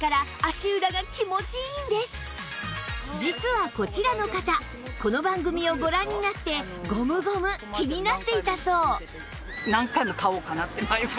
実はこちらの方この番組をご覧になってゴムゴム気になっていたそう